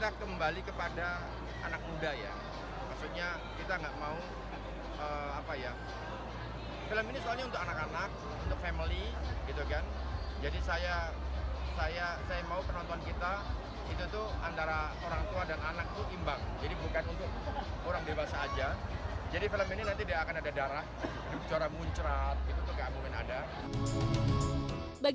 hanung bramantio terpilih untuk duduk sebagai sutradara